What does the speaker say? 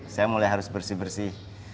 saya mulai harus bersih bersih